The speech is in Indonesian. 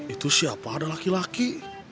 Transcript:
itu siapa ada laki laki